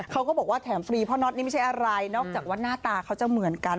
เขาก็บอกว่าแถมฟรีพ่อน็อตนี่ไม่ใช่อะไรนอกจากว่าหน้าตาเขาจะเหมือนกัน